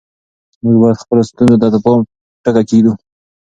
موږ باید خپلو ستونزو ته د پای ټکی کېږدو.